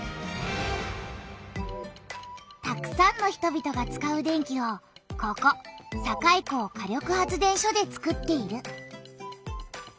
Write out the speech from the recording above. たくさんの人々が使う電気をここ堺港火力発電所でつくっている。